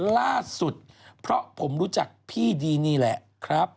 ล่าสุดเพราะผมรู้จักพี่ดีนี่แหละครับ